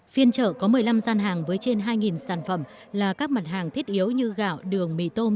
phiên trợ có một mươi năm gian hàng với trên hai sản phẩm là các mặt hàng thiết yếu như gạo đường mì tôm